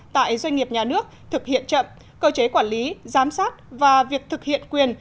tại doanh nghiệp nhà nước thực hiện chậm cơ chế quản lý giám sát và việc thực hiện quyền